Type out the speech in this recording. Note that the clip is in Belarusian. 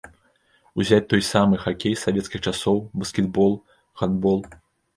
Узяць той саамы хакей савецкіх часоў, баскетбол, гандбол.